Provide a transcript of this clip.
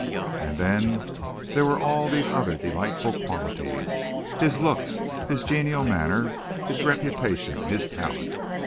And then there were all these other delightful qualities his looks, his genial manner, his reputation, his talent.